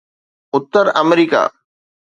Uttar America